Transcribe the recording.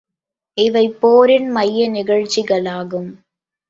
இவைபோரின் மைய நிகழ்ச்சிகளாகும்.